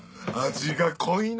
味が濃いの。